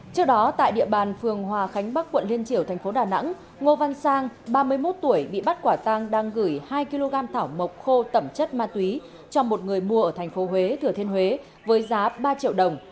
trước đó tại địa bàn phường hòa khánh bắc quận liên triểu thành phố đà nẵng ngô văn sang ba mươi một tuổi bị bắt quả tang đang gửi hai kg thảo mộc khô tẩm chất ma túy cho một người mua ở thành phố huế thừa thiên huế với giá ba triệu đồng